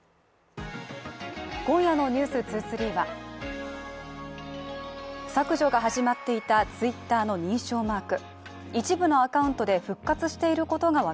今夜の「ｎｅｗｓ２３」は削除が始まっていたツイッターの認証マーク